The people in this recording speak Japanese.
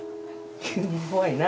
すごいな。